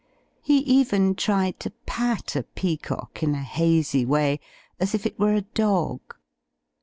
He even tried to pat a peacock in a hazy way, as if it were a dog.